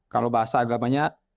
kalau bahasa agamanya